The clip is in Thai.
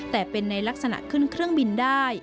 แต่เป็นในลักษณะขึ้นเครื่องบินได้